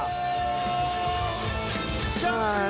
โอ้โห